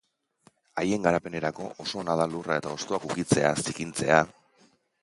Haien garapenerako oso ona da lurra eta hostoak ukitzea, zikintzea...